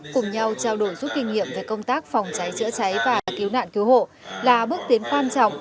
cùng nhau trao đổi giúp kinh nghiệm về công tác phòng cháy chữa cháy và cứu nạn cứu hộ là bước tiến quan trọng